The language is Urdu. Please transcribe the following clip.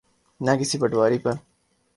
نہ کسی پٹواری پہ۔